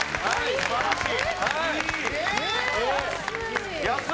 素晴らしい！